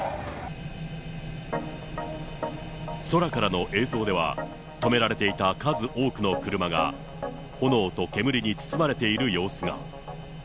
空からの映像では、止められていた数多くの車が、炎と煙に包まれている様子が。